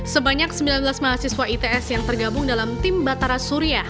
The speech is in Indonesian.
sebanyak sembilan belas mahasiswa its yang tergabung dalam tim batara surya